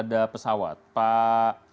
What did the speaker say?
ada pesawat pak